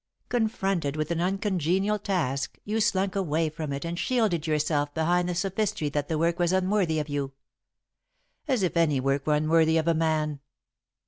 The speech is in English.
Confronted with an uncongenial task, you slunk away from it and shielded yourself behind the sophistry that the work was unworthy of you. As if any work were unworthy of a man!"